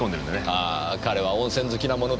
ああ彼は温泉好きなもので。